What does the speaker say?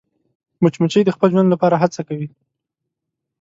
مچمچۍ د خپل ژوند لپاره هڅه کوي